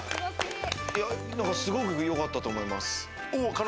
すごく、よかったと思います。